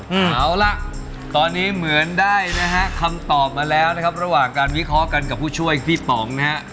เอาล่ะตอนนี้เหมือนได้นะฮะคำตอบมาแล้วนะครับระหว่างการวิเคราะห์กันกับผู้ช่วยพี่ป๋องนะฮะ